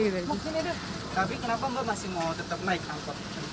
tapi kenapa mbak masih mau tetap naik angkot